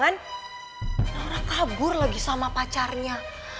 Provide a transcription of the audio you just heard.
apa gue telpon aja ya